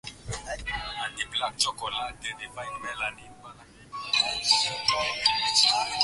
kuchaguliwa tena kuongoza taifa hilo kwa miaka mingine mitano